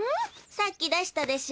さっき出したでしょ？